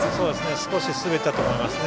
少し滑ったと思いますね。